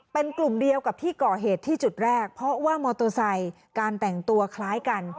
เป็นกลุ่มเดียวกับที่ก่อเหตุที่จุดแรกเพราะว่ามอเตอร์ไซค์การแต่งตัวคล้ายกัน